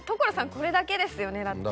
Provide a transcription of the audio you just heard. これだけですよねだって。